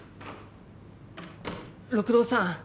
六郎さん